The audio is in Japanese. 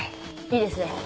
いいですね。